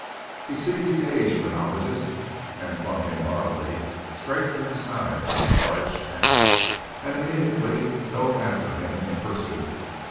He seized the aged phrenologist, and flung him bodily straight through the sides of a large tent, and immediately dove after him in pursuit.